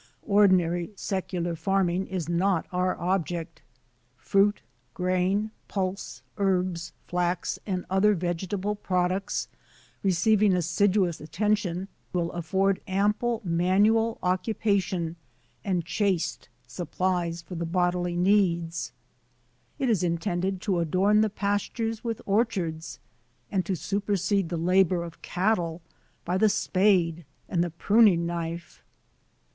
"Ordinary secular farming is not our object. Fruit, grain, pulse, herbs, flax, and other vege table products, receiving assiduous attention, will afford ample manual occupation, and chaste Digitized by VjOOQ IC TRANSCENDENTAL WILD OATS 149 supplies for the bodily needs. It is intended to adorn the pastures with orchards, and to super sede the labor of cattle by the spade and the pruning knife.